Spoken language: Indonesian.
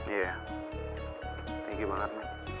iya ya terima kasih banget